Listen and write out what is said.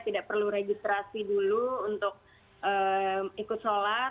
tidak perlu registrasi dulu untuk ikut sholat